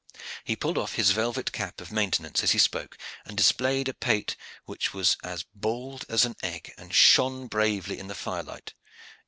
He pulled off his velvet cap of maintenance as he spoke, and displayed a pate which was as bald as an egg, and shone bravely in the firelight.